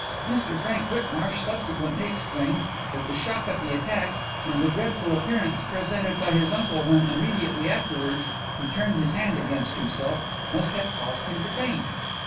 "'Mr Frank Whitmarsh subsequently explained that the shock of the attack, and the dreadful appearance presented by his uncle when, immediately afterwards, he turned his hand against himself, must have caused him to faint.